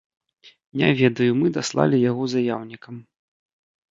Не ведаю, мы даслалі яго заяўнікам.